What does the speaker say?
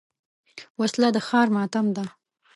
وسله د ښار ماتم ده